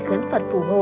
khến phật phủ hộ